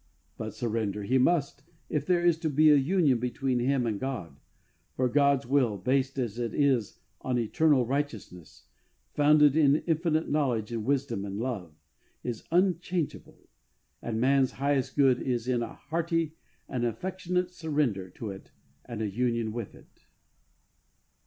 But surrender he must, if there is to be a union between him and God, for God's will, based as it is on eternal righteousness, founded in infinite know ledge and wisdom and love, is unchangeable, and man's highest good is in a hearty and affectionate surrender to it and a union with it.